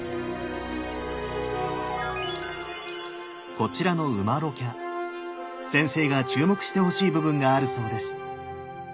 こちらの烏摩勒伽先生が注目してほしい部分があるそうです。